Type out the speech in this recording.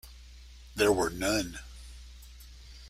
There were none.